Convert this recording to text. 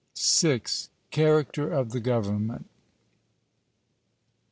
VI. _Character of the Government.